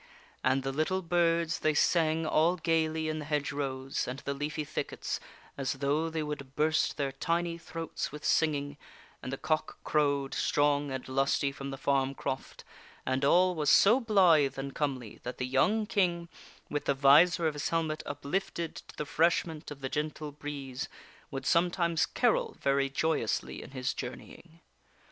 And the little birds they sang all gayly in the hedge rows and the leafy thickets as though they would burst their tiny throats with singing, and the cock crowed, strong and lusty, from the farm croft, and all was so blithe and comely that the young King, with the visor of his helmet uplifted to the refresh ment of the gentle breeze, would sometimes carol very joyously in his journeying.